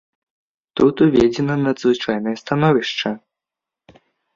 Тут уведзена надзвычайнае становішча.